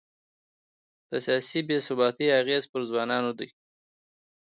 د سیاسي بې ثباتۍ اغېز پر ځوانانو دی.